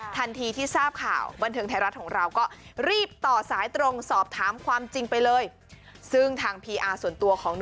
ทันทีที่ทราบข่าวบันเทิงไทยรัฐของเราก็รีบต่อสายตรงสอบถามความจริงไปเลย